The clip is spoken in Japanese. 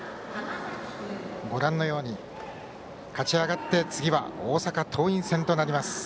ご覧のように勝ち上がって次は大阪桐蔭戦となります。